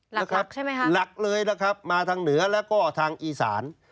นะครับใช่ไหมคะหลักเลยนะครับมาทางเหนือแล้วก็ทางอีสาน